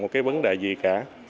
một cái vấn đề gì cả